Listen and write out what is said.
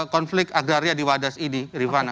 konflik agraria di wadas ini rifana